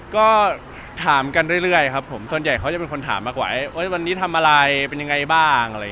ก็ถามกันเรื่อยครับผมส่วนใหญ่เขาจะเป็นคนถามมากกว่าวันนี้ทำอะไรเป็นยังไงบ้าง